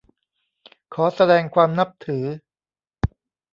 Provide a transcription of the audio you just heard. ขอแสดงความนับถือ